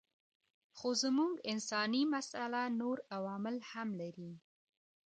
خو زموږ انساني مساله نور عوامل هم لري.